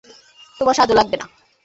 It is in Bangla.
তোমার সাহায্য লাগবে না।